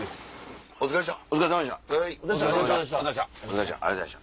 お疲れっした。